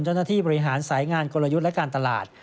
เจ้าหน้าที่บริหารสายงานกลยุทธ์และการตลาด